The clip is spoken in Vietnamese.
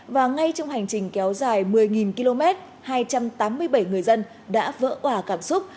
và ngay trong hành trình kéo dài một mươi km hai trăm tám mươi bảy người dân đã vỡ hỏa cảm xúc